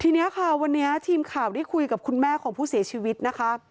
ทีนี้ค่ะวันนี้ทีมข่าวได้คุยกับคุณแม่ของผู้เสียชีวิตนะคะ